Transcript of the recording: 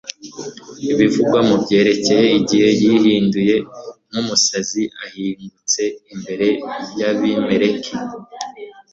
ibivugwamo byerekeye igihe yihinduye nk'umusazi ahingutse imbere y'abimeleki